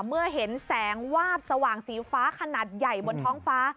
เมื่อเห็นแสงวาบสว่างสีฟ้าขนาดใหญ่บนท้องฟ้า